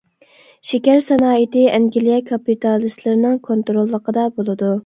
شېكەر سانائىتى ئەنگلىيە كاپىتالىستلىرىنىڭ كونتروللۇقىدا بولىدۇ.